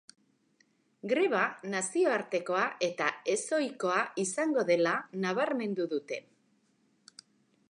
Greba nazioartekoa eta ezohikoa izango dela nabarmendu dute.